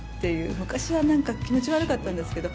昔は気持ち悪かったんですけど。